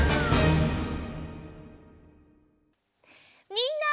みんな！